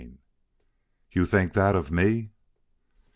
VII "YOU THINK THAT OF ME!"